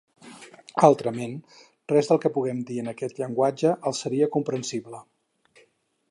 Altrament, res del que puguem dir en aquest llenguatge els seria comprensible.